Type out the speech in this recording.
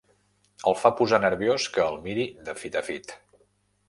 El fa posar nerviós que el miri de fit a fit.